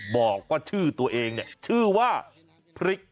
บอกว่าชื่อตัวเองเนี่ยชื่อว่าพริก